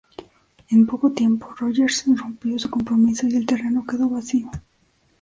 En poco tiempo Rogers rompió su compromiso y el terreno quedó vacío.